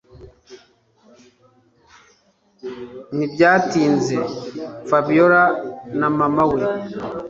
Ntibyatinze Fabiora na mama we